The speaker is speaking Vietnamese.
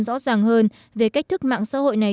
rõ ràng hơn về cách thức mạng xã hội này